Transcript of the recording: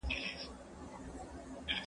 هغه وويل چي لیکل ضروري دي؟